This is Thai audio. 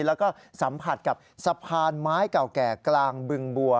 แล้วก็สัมผัสกับสะพานไม้เก่าแก่กลางบึงบัว